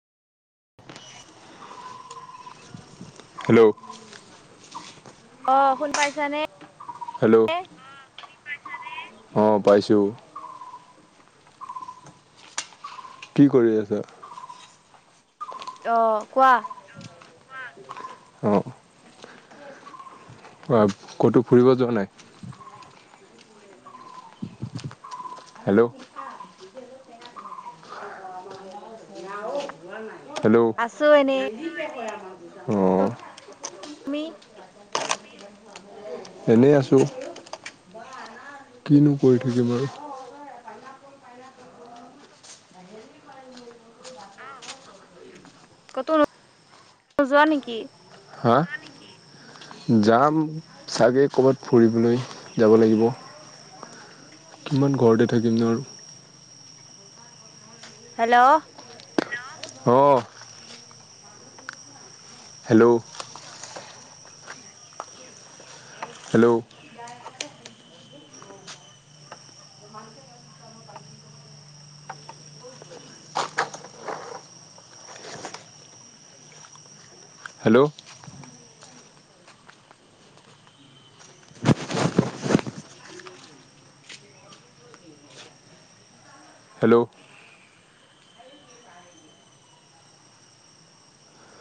Hello. অ', শুনি পাইছা নে? হেল্ল'। অঁ', -পাইছোঁ। কি কৰি আছা? অ', কোৱা? অ'। অহ', ক'তো ফুৰিব যোৱা নাই? হেল্ল'। হেল্ল', আছো এনেই অঁ',। তুমি? এনেই আছোঁ। কিনো কৰি থাকিম আৰু। ক'ত নোযোৱা নেকি? হা'? যাম চাগে ক'ৰবাত ফুৰিবলৈ যাব লাগিব। কিমান ঘৰতে থাকিম নো আৰু। হেল্ল'? অ'। হেল্ল'? হেল্ল'? হেল্ল'? হেল্ল'?